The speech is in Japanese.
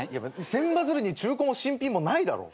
千羽鶴に中古も新品もないだろ。